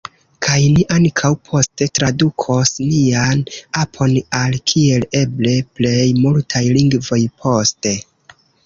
Kaj ni ankaŭ poste tradukos nian apon al kiel eble plej multaj lingvoj poste.